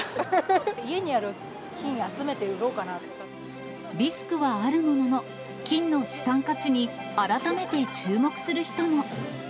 家にある金、集めて売ろうかリスクはあるものの、金の資産価値に改めて注目する人も。